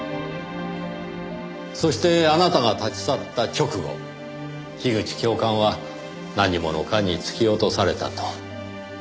そしてあなたが立ち去った直後樋口教官は何者かに突き落とされたと。